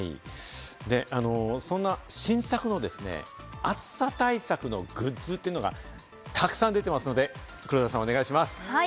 新作の暑さ対策のグッズというのがたくさん出ているので、黒田さん、お願いします。